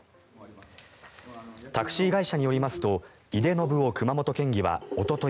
タクシー会社によりますと井手順雄熊本県議はおととい